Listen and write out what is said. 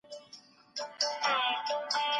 بې تکنالوژۍ ټولنه ګوډه ده.